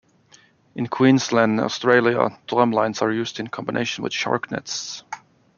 In Queensland, Australia, drum lines are used in combination with shark nets.